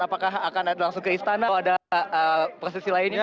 apakah akan langsung ke istana atau ada prosesi lainnya